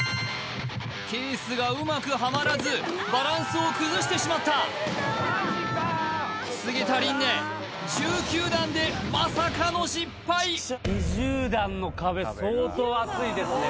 ケースがうまくハマらずバランスを崩してしまった菅田琳寧１９段でまさかの失敗ですね